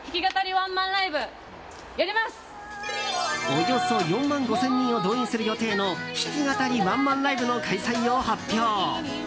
およそ４万５０００人を動員する予定の弾き語りワンマンライブの開催を発表。